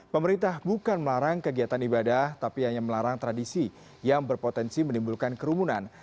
pemerintah bukan melarang kegiatan ibadah tapi hanya melarang tradisi yang berpotensi menimbulkan kerumunan